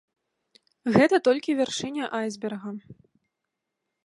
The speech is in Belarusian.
Гэта толькі вяршыня айсберга.